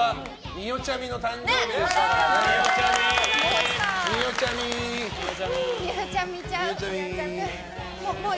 によちゃみちゃう。